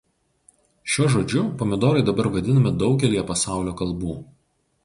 Šiuo žodžiu pomidorai dabar vadinami daugelyje pasaulio kalbų.